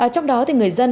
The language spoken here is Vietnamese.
trong đó thì người dân